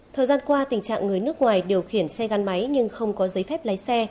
thời gian qua tình trạng người nước ngoài điều khiển xe gắn máy nhưng không có giấy phép lái xe